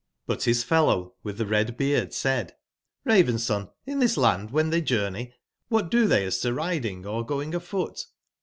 *' But bis fellow witb tbe red beard said: '*Raven/son, in tbis land wben tbey journey, wbat do tbey as to riding or going afoot?"